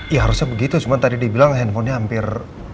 ya harusnya begitu cuma tadi dia bilang handphonenya hampir